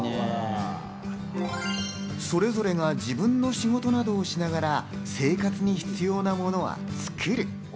それぞれが自分の仕事などをしながら生活に必要なものは作る。